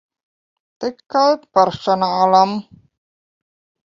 Tikai personālam.